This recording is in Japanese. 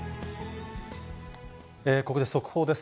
ここで速報です。